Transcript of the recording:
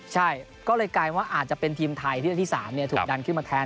ใช่ก็เลยกลายว่าอาจจะเป็นทีมไทยที่๓ถูกดันขึ้นมาแทน